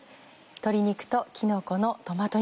「鶏肉ときのこのトマト煮」